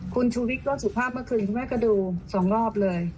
คุณชูวิทย์ก็สุภาพเมื่อคืนคุณแม่ก็ดู๒รอบเลย